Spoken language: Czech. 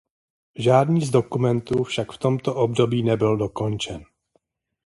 Žádný z dokumentů však v tomto období nebyl dokončen.